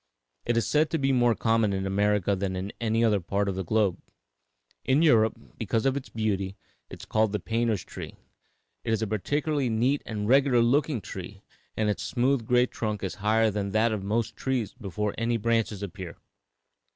It is said to be more common in America than in any other part of the globe. In Europe, because of its beauty, it is called the painter's tree. It is a particularly neat and regular looking tree, and its smooth gray trunk is higher than that of most trees before any branches appear.